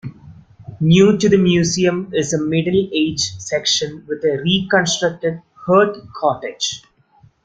New to the museum is a middle ages section with a reconstructed hearth cottage.